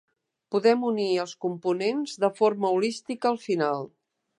Podem unir els components de forma holística al final.